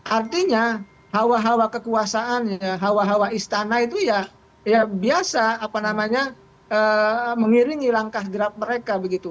artinya hawa hawa kekuasaannya hawa hawa istana itu ya biasa mengiringi langkah gerak mereka